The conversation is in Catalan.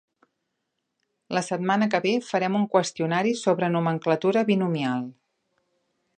La setmana que ve farem un qüestionari sobre nomenclatura binomial.